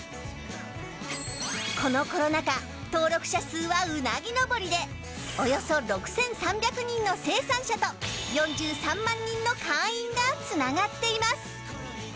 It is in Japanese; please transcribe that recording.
このコロナ禍、登録者数はうなぎのぼりでおよそ６３００人の生産者と４３万人の会員がつながっています。